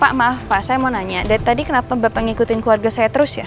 pak maaf pak saya mau nanya tadi kenapa bapak ngikutin keluarga saya terus ya